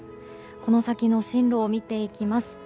この先の進路を見ていきます。